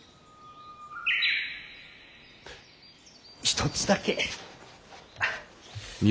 一つだけ。